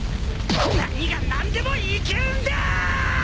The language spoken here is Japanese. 何が何でも生きるんだぁ！